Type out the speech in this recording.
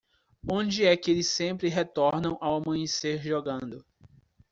Onde é que eles sempre retornam ao amanhecer jogando